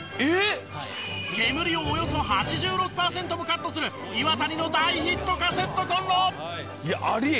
煙をおよそ８６パーセントもカットするイワタニの大ヒットカセットコンロ！